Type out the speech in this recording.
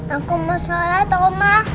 aku mau sholat oma